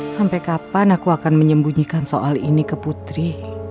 sampai kapan aku akan menyembunyikan soal ini ke putri